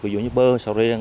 ví dụ như bơ sầu riêng